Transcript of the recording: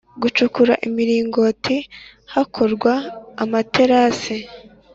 Gucukura imiringoti hakorwa amaterasi